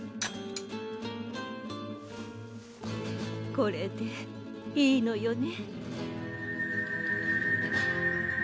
これでいいのよね？